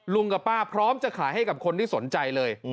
ลุงกับป้าพร้อมจะขายให้กับคนที่สนใจเลย